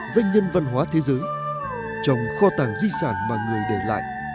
doanh nhân văn hóa thế giới trồng kho tàng di sản mà người để lại